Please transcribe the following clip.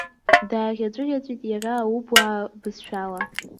Дааӷьаҵәыӷьаҵәит иара аублаа бызшәала.